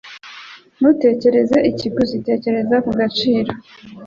Ntutekereze ikiguzi. Tekereza ku gaciro.